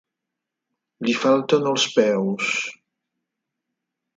Li falten els peus.